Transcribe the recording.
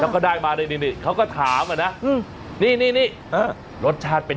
แล้วก็ได้มาได้นี่นี่เขาก็ถามอ่ะนะหึนี่นี่นี่อ่ารสชาติเป็น